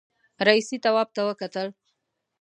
رئيسې تواب ته وکتل.